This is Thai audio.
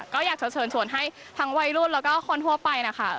ก็อยากจะเชิญชวนให้ทั้งวัยรุ่นแล้วก็คนทั่วไปนะคะ